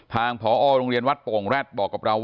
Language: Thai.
ทางพอโรงเรียนวัดโป่งแร็ดบอกกับเราว่า